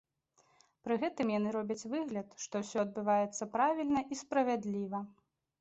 Пры гэтым яны робяць выгляд, што ўсё адбываецца правільна і справядліва.